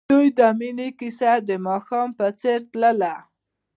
د دوی د مینې کیسه د ماښام په څېر تلله.